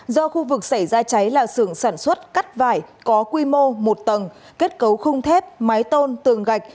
do khu vực xảy ra cháy là xưởng sản xuất cắt vải có quy mô một tầng kết cấu khung thép mái tôn tường gạch